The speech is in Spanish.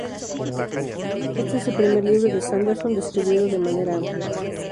Este es el primer libro de Sanderson distribuido de manera amplia.